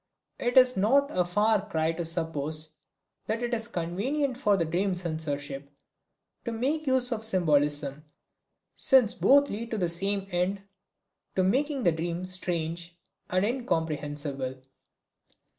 It is not a far cry to suppose that it is convenient for the dream censorship to make use of symbolism since both lead to the same end, to making the dream strange and incomprehensible.